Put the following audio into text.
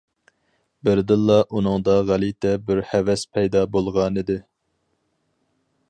بىردىنلا ئۇنىڭدا غەلىتە بىر ھەۋەس پەيدا بولغانىدى.